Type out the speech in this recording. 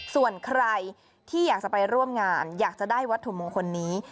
ส่วนใครที่อยากจะไปร่วมงานอยากจะได้วัตถุมงคลนี้